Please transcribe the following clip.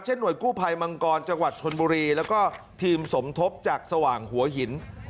หน่วยกู้ภัยมังกรจังหวัดชนบุรีแล้วก็ทีมสมทบจากสว่างหัวหิน